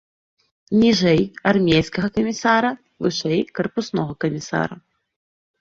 Ніжэй армейскага камісара, вышэй карпуснога камісара.